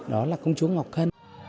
đó là công chúa